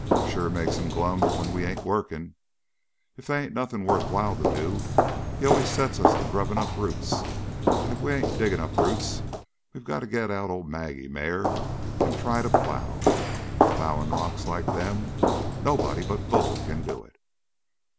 "Sure makes him glum when we ain't working. If they ain't nothing worthwhile to do he always sets us to grubbing up roots; and if we ain't diggin' up roots, we got to get out old 'Maggie' mare and try to plow. Plow in rocks like them! Nobody but Bull can do it."